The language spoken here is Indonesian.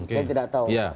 saya tidak tahu